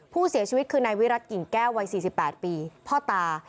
ผู้เสียชีวิตคือนายวิรัติกิ่งแก้ววัย๔๘ปีพ่อตา